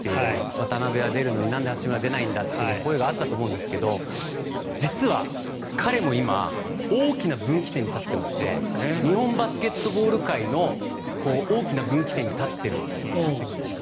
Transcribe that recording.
渡邊は出るのになんで八村は出ないんだという声もあったと思いますが、実は彼も今、大きな分岐点に立ってまして日本バスケットボール界の大きな分岐点に立ってるんです。